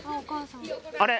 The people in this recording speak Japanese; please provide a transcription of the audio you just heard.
あれ？